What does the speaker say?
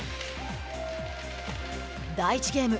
第１ゲーム。